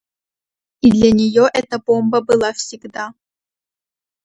И для нее эта бомба была всегда